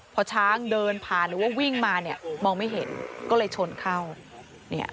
พอช้างเดินผ่านหรือว่าวิ่งมามองไม่เห็นก็เลยชนเข้า